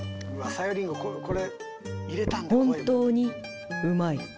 本当にうまい。